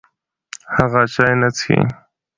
هغه چای نه څښي.